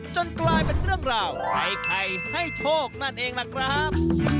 จนกลายเป็นเรื่องราวให้ไข่ให้โชคนั่นเองล่ะครับ